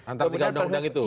antara tiga undang undang itu